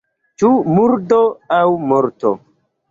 Ĉu murdo aŭ morto?